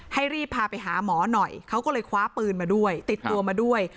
ให้รีบพาไปหาหมอหน่อยเขาก็เลยคว้าปืนมาด้วยติดตัวมาด้วย